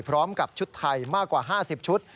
พร้อมกับชุดไทยมากกว่า๕๐ชุด